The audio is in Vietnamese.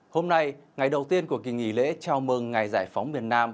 hôm nay ngày đầu tiên của kỳ nghỉ lễ chào mừng ngày giải phóng miền nam